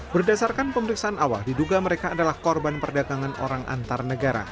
berdasarkan pemeriksaan awal diduga mereka adalah korban perdagangan orang antar negara